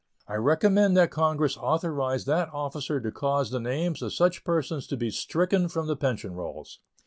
I recommend that Congress authorize that officer to cause the names of such persons to be stricken from the pension rolls.